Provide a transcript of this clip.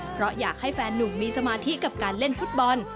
เพราะอยากให้แฟนหนุ่มมีสมาธิกับการเล่นฟุตบอล